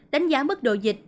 đánh giá mức độ dịch